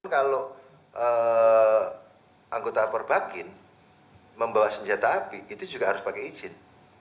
kalau anggota perbakin membawa senjata api itu juga harus pakai izin